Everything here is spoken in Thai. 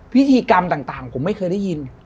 พิธีกรรมต่างผมไม่เคยได้ยิน